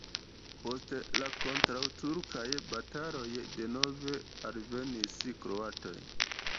Post la kontraŭturkaj bataloj denove alvenis kroatoj.